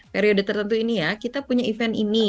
periode tertentu ini ya kita punya event ini